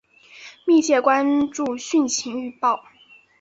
密切关注汛情预报